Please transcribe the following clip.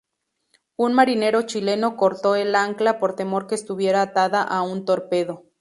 Un marinero chileno cortó el ancla por temor que estuviera atada a un torpedo.